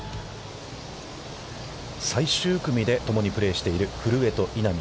最終組で共にプレーしている、古江と稲見。